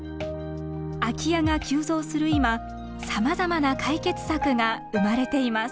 空き家が急増する今さまざまな解決策が生まれています。